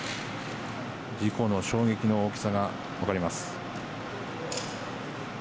事故の衝撃の大きさが分かります。